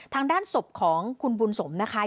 ทางด้านศพของคุณบุญสมนะคะ